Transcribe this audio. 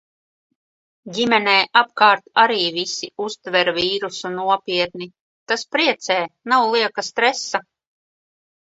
Ģimenē apkārt arī visi uztver vīrusu nopietni. Tas priecē! Nav lieka stresa.